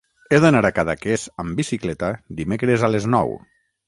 He d'anar a Cadaqués amb bicicleta dimecres a les nou.